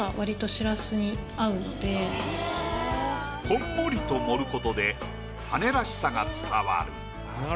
こんもりと盛ることで羽らしさが伝わる。